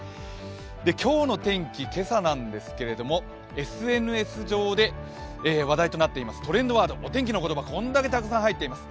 今日の天気、今朝なんですけれどもＳＮＳ上で話題となっているトレンドワード、お天気の言葉、こんなに入っています。